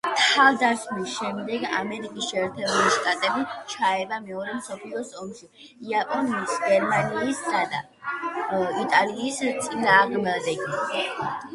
თავდასხმის შემდეგ ამერიკის შეერთებული შტატები ჩაება მეორე მსოფლიო ომში იაპონიის, გერმანიისა და იტალიის წინააღმდეგ.